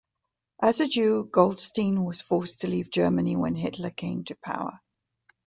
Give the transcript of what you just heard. As a Jew, Goldstein was forced to leave Germany when Hitler came to power.